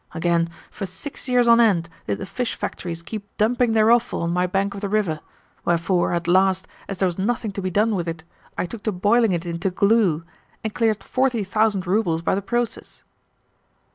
Again, for six years on end did the fish factories keep dumping their offal on my bank of the river; wherefore, at last, as there was nothing to be done with it, I took to boiling it into glue, and cleared forty thousand roubles by the process."